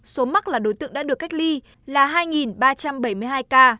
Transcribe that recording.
số mắc là đối tượng đã được cách ly là hai ba trăm bảy mươi hai ca